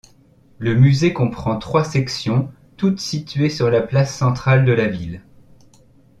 Le musée comprend trois sections, toutes situées sur la place centrale de la ville.